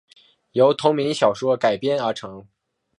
由同名小说改编而成。